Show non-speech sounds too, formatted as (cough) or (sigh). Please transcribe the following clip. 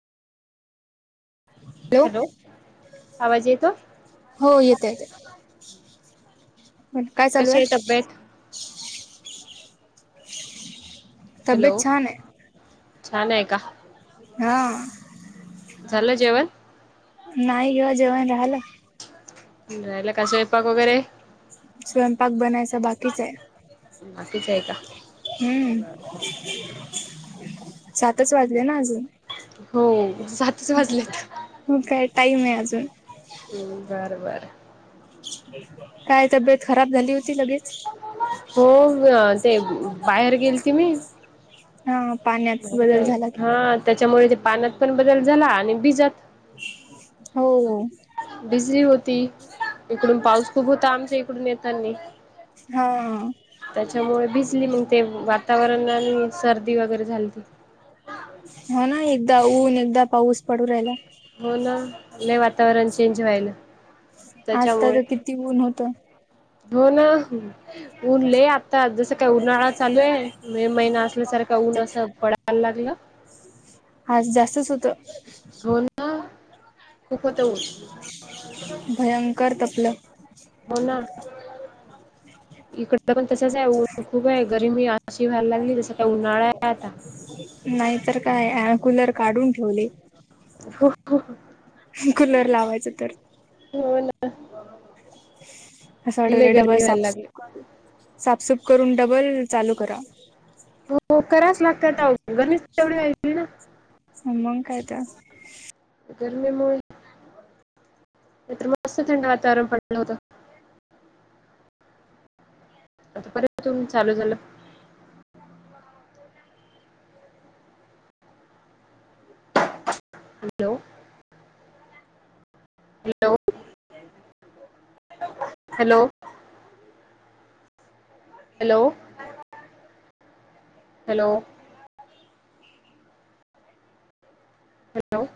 Hello आवाज येतो हो येत येत प काय चालू कशी आहे तब्येत हॅलो तब्येत छान आहे छान आहे का हा झालं जेवण नाही किव्हा जेवण राहाला ला कसवयपाक वगैरे स्वयंपाक बनायचा बाकीच आहे बाकीच आहे का हम्म सातच वाजले ना अजून हो जातच वाजलं हो काय टाईम आहे अजून हम्म बरं बरं काय तब्येत खराब झाली होती लगेच हो ते बाहेर गेल त मी हा पाणी हा त्याच्यामुळे ते पानात पण बदल झाला आणि बिजात हो बिझी होती इकडून पाऊस खूप होता आमच्या इकडून येतानी हा त्याच्यामुळे भिजली मग ते वातावरण आणि सर्दी वगैरे झाली त हो ना एकदा ऊन एकदा पाऊस पडू राहिला हो ना नाही वातावरण चेंज व्हायल आता त्याच्यामुळे तर किती ऊन होत हो ना उनले आता जसं काय उन्हाळा चालू आहे मे महिना असल्यासारखा ऊन असं पडायला लागलं. हा जास्तच होत. घन खूप होत हो भयंकर तपलक हो ना. (unintelligible) इकड पण तसंच आहे खूप आहे गरमी अशी व्हायला लागली तस का उन्हाळा आहे आता. नाहीतर काय कुलर काढून ठेवली. हो. हो. कुलर लावायचं तर हो ना. असं वाट लय डबल गरमी व्हायला लागली साफसूफ साफसूफ करून डबल चालू करा. हो कराच लागत गणेश तेवढी वयची ना होमं कायता. गरमीमुळे इतर मस्त थंड वातावरण पडलं होतं. आता परंत तु चालू झालं. Hello. Hello. Hello. Hello. Hello. Hello.